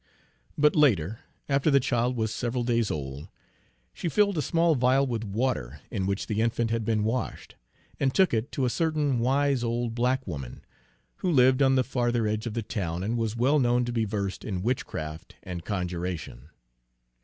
But later, after the child was several days old, she filled a small vial with water in which the infant had been washed, and took it to a certain wise old black woman, who lived on the farther edge of the town and was well known to be versed in witchcraft and conjuration.